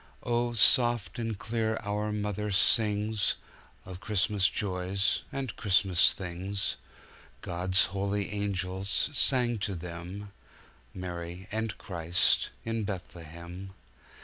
Oh, soft and clear our mother singsOf Christmas joys and Christmas things. God's holy angels sang to them, Mary and Christ in Bethlehem.